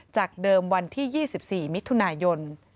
จากเดิมวันที่๒๔มิถุนายน